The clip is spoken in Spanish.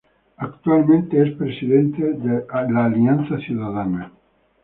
Actualmente presidente de Alianza Ciudadana.